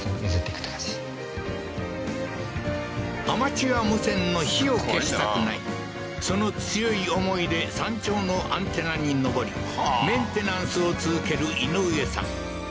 アマチュア無線の火を消したくないその強い思いで山頂のアンテナに登りメンテナンスを続ける井上さん